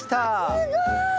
すごい！